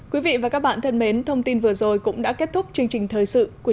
quý vị và các bạn thân mến thông tin vừa rồi cũng đã kết thúc chương trình thời sự của